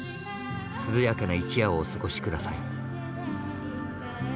涼やかな一夜をお過ごし下さい。